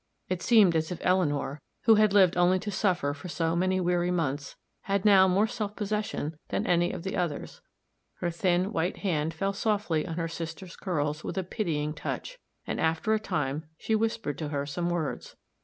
It seemed as if Eleanor, who had lived only to suffer for so many weary months, had now more self possession than any of the others; her thin, white hand fell softly on her sister's curls with a pitying touch; and after a time, she whispered to her some words.